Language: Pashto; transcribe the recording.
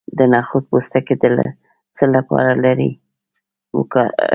د نخود پوستکی د څه لپاره لرې کړم؟